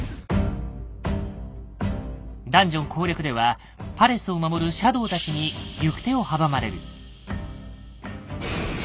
ダンジョン攻略ではパレスを守るシャドウたちに行く手を阻まれる。